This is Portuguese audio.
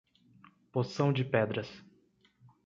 Poção de Pedras